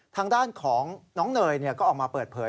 ทางด้านของน้องเนยก็ออกมาเปิดเผย